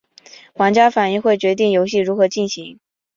玩家的反应会决定游戏如何进行。